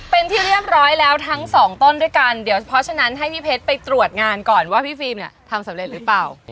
เป็นที่เรียบร้อยแล้วทั้งสองต้นด้วยกันเดี๋ยวเพราะฉะนั้นให้พี่เพชรไปตรวจงานก่อนว่าพี่ฟิล์มเนี่ยทำสำเร็จหรือเปล่า